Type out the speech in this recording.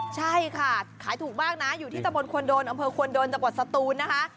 ใช่ค่ะขายถูกมากนะอยู่ที่ตะบนควนโดนอำเภอควนโดนจังหวัดสตูนนะคะ